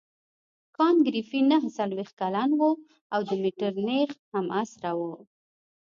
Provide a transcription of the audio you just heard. کانت ګریفي نهه څلوېښت کلن وو او د مټرنیخ همعصره وو.